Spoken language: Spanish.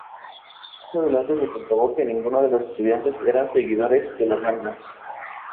Más adelante se comprobó que ninguno de los estudiantes eran seguidores de la banda.